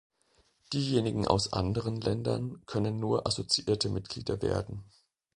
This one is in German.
Diejenigen aus anderen Ländern können nur assoziierte Mitglieder werden.